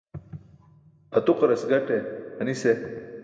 Atuqaras gaṭe pʰanis eh.